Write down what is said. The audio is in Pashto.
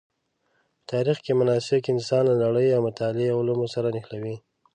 په تاریخ کې مناسک انسان له نړۍ او متعالي عوالمو سره نښلوي.